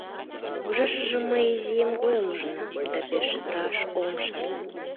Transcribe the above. Ужашыже мый изиэм годым ужынам да, пеш раш ом шарне.